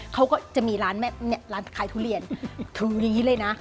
เขาก็จะมีร้านแม่เนี่ยร้านขายทุเรียนถือยังงี้เลยนะ